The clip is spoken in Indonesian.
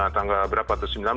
tanggal berapa itu